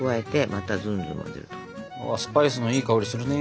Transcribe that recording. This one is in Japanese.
スパイスのいい香りするね。